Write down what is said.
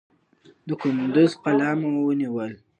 د کندوز قلا مو ونیول.